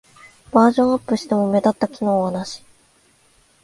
バージョンアップしても目立った機能はなし